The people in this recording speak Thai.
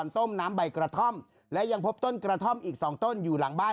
ต้มน้ำใบกระท่อมและยังพบต้นกระท่อมอีก๒ต้นอยู่หลังบ้าน